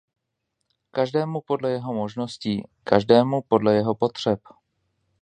Každému podle jeho možností, každému podle jeho potřeb.